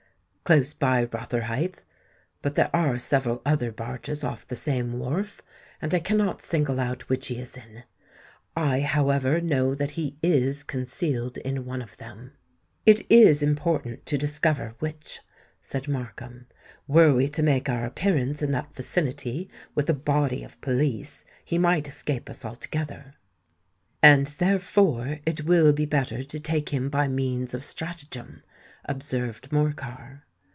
"Close by Rotherhithe. But there are several other barges off the same wharf; and I cannot single out which he is in. I, however, know that he is concealed in one of them." "It is important to discover which," said Markham. "Were we to make our appearance in that vicinity with a body of police, he might escape us altogether." "And therefore it will be better to take him by means of stratagem," observed Morcar.